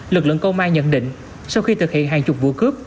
lực lượng công an nhận định sau khi thực hiện hàng chục vụ cướp